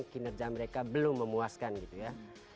kinerja mereka belum memuaskan gitu ya